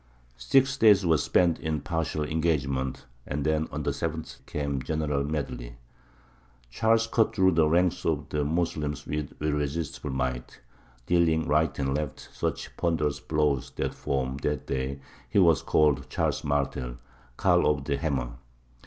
Six days were spent in partial engagements, and then on the seventh came a general medley. Charles cut through the ranks of the Moslems with irresistible might, dealing right and left such ponderous blows that from that day he was called Charles Martel, "Karl of the Hammer."